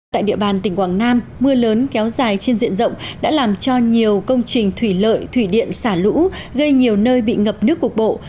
tại địa bàn tỉnh quảng nam mưa lớn kéo dài trên diện rộng đã làm cho nhiều công trình thủy lợi thủy điện xả lũ gây nhiều nơi bị ngập nước cục bộ